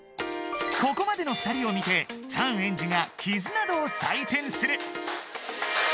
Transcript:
ここまでの２人を見てチャンエンジがキズナ度を採点する。